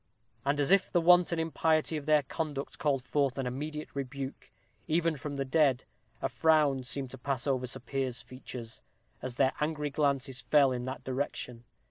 And as if the wanton impiety of their conduct called forth an immediate rebuke, even from the dead, a frown seemed to pass over Sir Piers's features, as their angry glances fell in that direction.